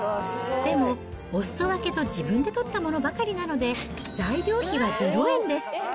でも、おすそ分けと自分で取ったものばかりなので、材料費はゼロ円です。